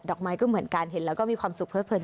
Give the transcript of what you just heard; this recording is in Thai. อกไม้ก็เหมือนกันเห็นแล้วก็มีความสุขเพลิดเพลิน